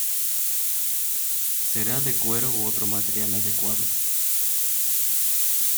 Será de cuero u otro material adecuado.